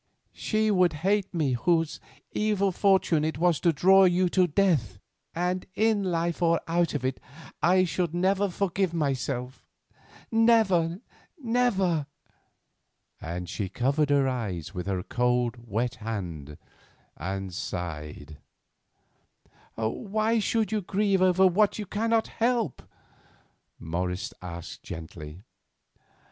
"She would hate me whose evil fortune it was to draw you to death, and in life or out of it I should never forgive myself—never! never!" and she covered her eyes with her cold, wet hand and sighed. "Why should you grieve over what you cannot help?" asked Morris gently.